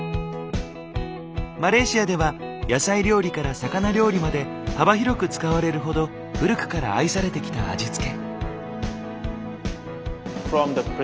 マレーシアでは野菜料理から魚料理まで幅広く使われるほど古くから愛されてきた味付け。